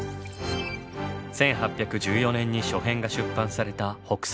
１８１４年に初編が出版された「北斎漫画」。